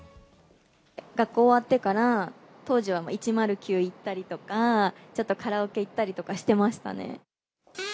学校終わってから、当時は１０９行ったりとか、ちょっとカラオケ行ったりとかしてましたね。